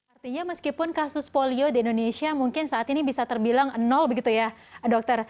artinya meskipun kasus polio di indonesia mungkin saat ini bisa terbilang nol begitu ya dokter